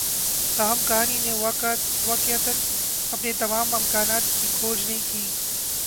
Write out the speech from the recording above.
تاہم کہانی نے واقعتا اپنے تمام امکانات کی کھوج نہیں کی